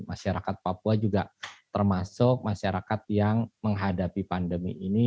masyarakat papua juga termasuk masyarakat yang menghadapi pandemi ini